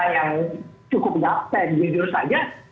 yang cukup gapten jujur saja